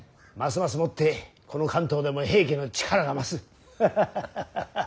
ますますもってこの関東でも平家の力が増す。